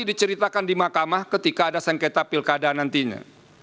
diceritakan di mahkamah ketika ada sengketa pilkada nantinya